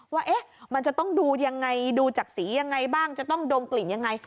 ว่ามันจะต้องดูยังไงดูจากสียังไงบ้างจะต้องดมกลิ่นยังไง